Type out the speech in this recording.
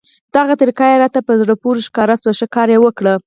دغه طریقه یې راته په زړه پورې ښکاره شوه، ښه کار یې وکړ.